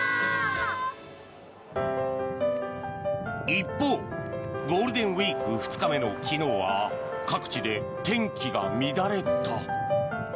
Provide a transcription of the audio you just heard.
一方、ゴールデンウィーク２日目の昨日は各地で天気が乱れた。